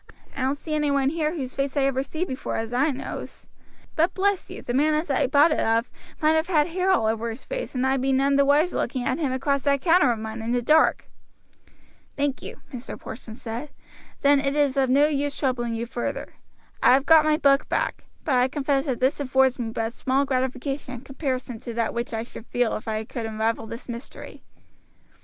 "I don't see any one here whose face I ever see before as far as I knows; but bless you, the man as I bought it of might have had hair all over his face, and I be none the wiser looking at him across that counter of mine in the dark." "Thank you," Mr. Porson said; "then it is of no use troubling you further. I have got my book back; but I confess that this affords me but small gratification in comparison to that which I should feel if I could unravel this mystery."